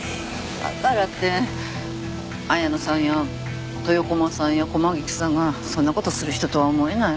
だからって綾乃さんや豊駒さんや駒菊さんがそんなことする人とは思えないわ。